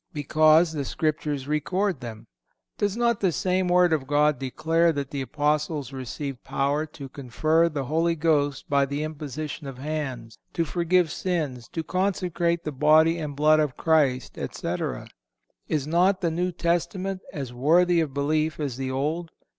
Because the Scriptures record them. Does not the same Word of God declare that the Apostles received power to confer the Holy Ghost by the imposition of hands, to forgive sins, to consecrate the Body and Blood of Christ, etc. Is not the New Testament as worthy of belief as the Old?